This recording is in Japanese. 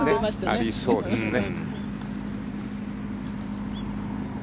ありそうですね。